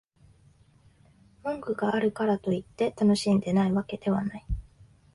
文句があるからといって、楽しんでないわけではない